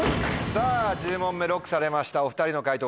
さぁ１０問目ＬＯＣＫされましたお２人の解答